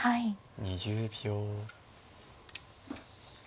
２０秒。